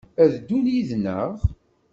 Ad d-ddun yid-neɣ?